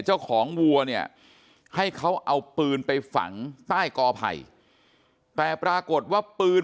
เจ้าของวัวเนี่ยให้เขาเอาปืนไปฝังใต้กอไผ่แต่ปรากฏว่าปืน